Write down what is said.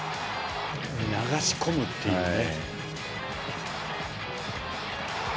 流し込むっていうね。